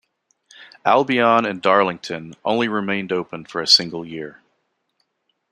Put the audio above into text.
"Albion and Darlington" only remained open for a single year.